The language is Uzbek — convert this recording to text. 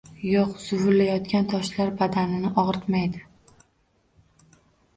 Yo‘q zuvillayotgan toshlar badanini og‘ritmaydi